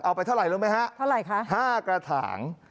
ไปเท่าไหร่รู้ไหมฮะเท่าไหร่คะ๕กระถาง